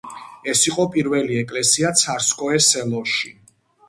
ეს იყო პირველი ეკლესია ცარსკოე-სელოში.